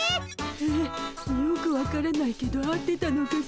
えよく分からないけど合ってたのかしら？